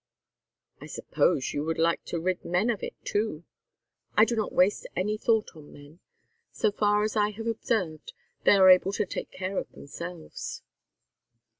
"I suppose you would like to rid men of it too." "I do not waste any thought on men; so far as I have observed they are able to take care of themselves."